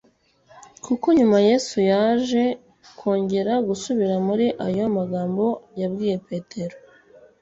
Kuko nyuma Yesu yaje kongera gusubira muri ayo magambo yabwiye Petero,